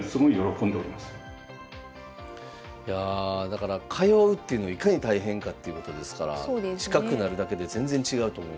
いやあだから通うっていうのいかに大変かっていうことですから近くなるだけで全然違うと思いますよね。